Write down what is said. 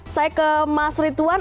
saya ke mas ridwan